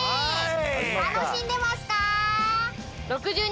楽しんでますか？